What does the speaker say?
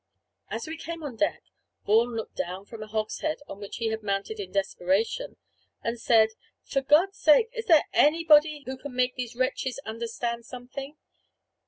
As we came on deck, Vaughan looked down from a hogshead, on which he had mounted in desperation, and said "For God's love, is there anybody who can make these wretches understand something?